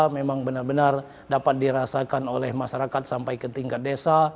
memang benar benar dapat dirasakan oleh masyarakat sampai ke tingkat desa